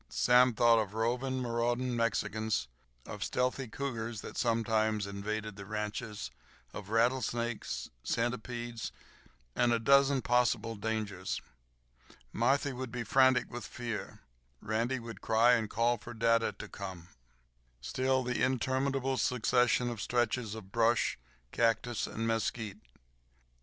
Sam thought of roving, marauding Mexicans, of stealthy cougars that sometimes invaded the ranches, of rattlesnakes, centipedes, and a dozen possible dangers. Marthy would be frantic with fear. Randy would cry, and call for dada to come. Still the interminable succession of stretches of brush, cactus, and mesquite.